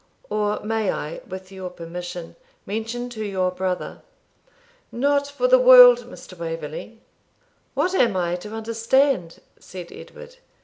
Or may I, with your permission, mention to your brother ' 'Not for the world, Mr. Waverley!' 'What am I to understand?' said Edward.